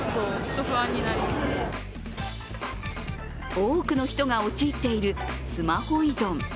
多くの人が陥っているスマホ依存。